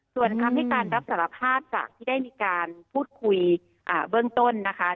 ส่วนคำให้การรับสารภาพจากที่ได้มีการพูดคุยเบื้องต้นนะคะ